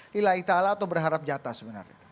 lila ita allah atau berharap jatah sebenarnya